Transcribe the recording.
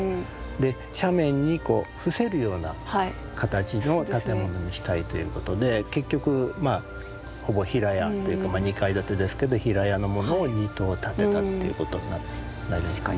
で斜面に伏せるような形の建物にしたいということで結局ほぼ平屋というか２階建てですけど平屋のものを２棟建てたっていうことになりますね。